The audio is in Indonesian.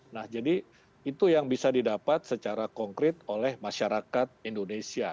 nah jadi itu yang bisa didapat secara konkret oleh masyarakat indonesia